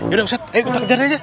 yaudah ustadz ayo kita kejar dia aja